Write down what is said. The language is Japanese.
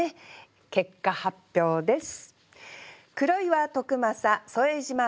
結果発表です。